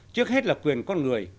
trước hết là quyền con người